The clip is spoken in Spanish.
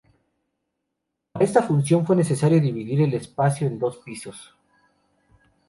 Para esta función fue necesario dividir el espacio en dos pisos.